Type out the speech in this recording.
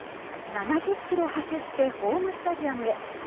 ７０キロ走ってホームスタジアムへ。